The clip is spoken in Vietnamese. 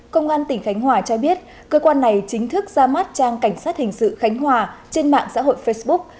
công an tỉnh khánh hòa cho biết cơ quan này chính thức ra mắt trang cảnh sát hình sự khánh hòa trên mạng xã hội facebook